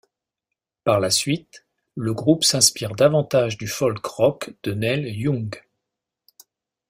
Par la suite, le groupe s'inspire davantage du folk rock de Neil Young.